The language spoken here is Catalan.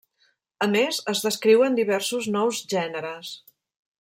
A més, es descriuen diversos nous gèneres.